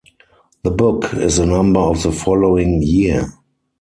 The book is a number of the following year.